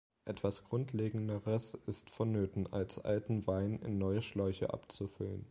Etwas Grundlegenderes ist vonnöten, als alten Wein in neue Schläuche abzufüllen.